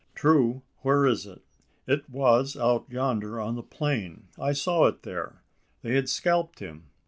"True where is it? It was out yonder on the plain? I saw it there: they had scalped him."